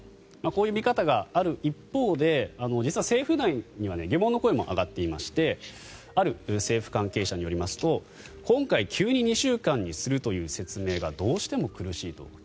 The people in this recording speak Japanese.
こういう見方がある一方で実は政府内には疑問の声も上がっていましてある政府関係者によりますと今回、急に２週間するという説明がどうしても苦しいと。